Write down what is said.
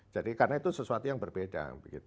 jadi karena itu sesuatu yang berbeda